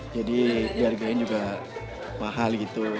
jadi biar biar juga mahal gitu